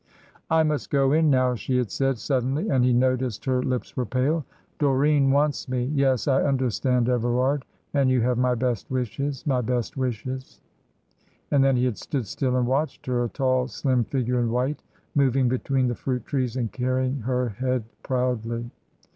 "I must go in now," she had said, suddenly, and he noticed her lips were pale. "Doreen wants me. Yes, I understand, Everard, and you have my best wishes my best wishes." And then he had stood still and watched her, a tall, slim figure in white, moving between the fruit trees and carrying her head proudly.